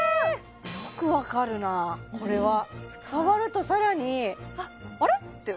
よく分かるなこれは触ると更にあれ？って